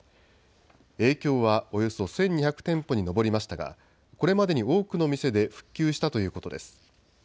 影響はおよそ１２００店舗に上りましたがこれまでに多くの店で復旧したということです。